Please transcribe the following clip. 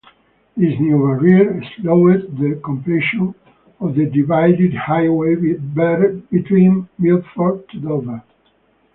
This new barrier slowed the completion of the divided highway between Milford to Dover.